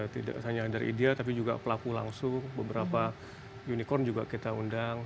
tidak hanya dari idea tapi juga pelaku langsung beberapa unicorn juga kita undang